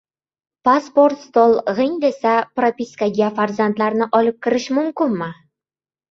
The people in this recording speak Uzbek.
«Pasport stol «g‘ing», desa». Propiskaga farzandlarni olib kirish mumkinmi?